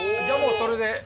じゃあもうそれで。